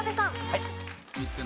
はい。